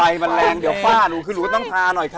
ไฟมันแรงเดี๋ยวฝ้าหนูขึ้นหนูก็ต้องทาหน่อยค่ะ